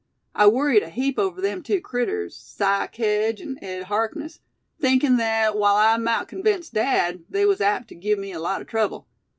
I worried a heap over them tew critters, Si Kedge an' Ed Harkness; thinkin' thet w'ile I mout convince dad, they was apt tew give me a lot o' trouble.